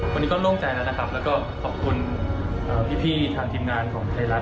วันนี้ก็โล่งใจแล้วนะครับแล้วก็ขอบคุณพี่ทางทีมงานของไทยรัฐ